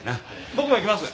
僕も行きます！